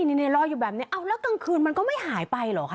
นี่รออยู่แบบนี้เอาแล้วกลางคืนมันก็ไม่หายไปเหรอคะ